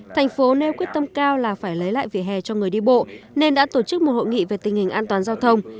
thành phố nêu quyết tâm cao là phải lấy lại vỉa hè cho người đi bộ nên đã tổ chức một hội nghị về tình hình an toàn giao thông